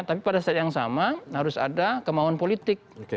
tapi pada saat yang sama harus ada kemauan politik